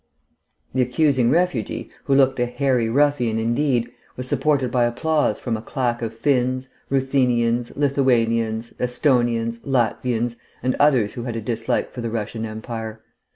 The accusing refugee, who looked a hairy ruffian indeed, was supported by applause from a claque of Finns, Ruthenians, Lithuanians, Esthonians, Latvians, and others who had a dislike for the Russian Empire.